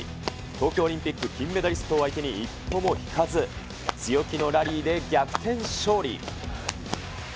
東京オリンピック金メダリストを相手に一歩も引かず、強気のラリーで逆転勝利。